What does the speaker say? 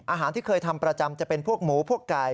อาหารที่เคยทำประจำจะเป็นพวกหมูพวกไก่